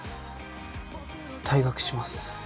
退学します